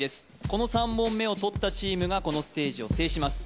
この３問目を取ったチームがこのステージを制します